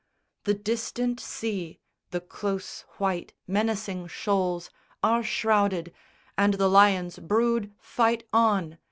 The distant sea, the close white menacing shoals Are shrouded! And the lion's brood fight on!